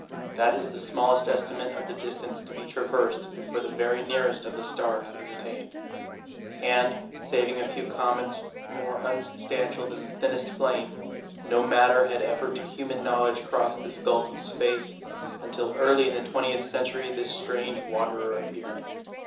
That is the smallest estimate of the distance to be traversed before the very nearest of the stars is attained. And, saving a few comets more unsubstantial than the thinnest flame, no matter had ever to human knowledge crossed this gulf of space, until early in the twentieth century this strange wanderer appeared.